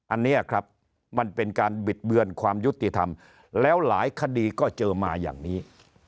อันนี้ครับมันเป็นการบิดเบือนความยุติธรรมแล้วหลายคดีก็เจอมาอย่างนี้